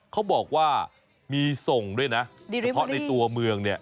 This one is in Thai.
เขาบอกว่ามีส่งด้วยนะเฉพาะในตัวเมืองเนี่ย